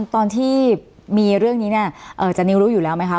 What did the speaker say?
ตอนที่มีเรื่องนี้เนี่ยจานิวรู้อยู่แล้วไหมคะ